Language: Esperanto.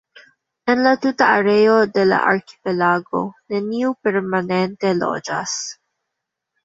En la tuta areo de la arkipelago neniu permanente loĝas.